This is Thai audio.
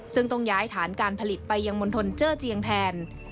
ซึ่งต้องย้ายฐานการผลิตไปยังมณฑลเจอร์เจียงแทน